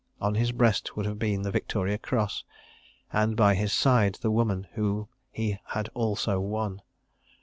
On his breast would have been the Victoria Cross, and by his side the Woman whom he had Also Won.